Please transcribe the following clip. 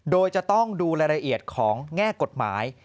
โดยจะต้องดูรายละเอียดของแง่กฎหมาย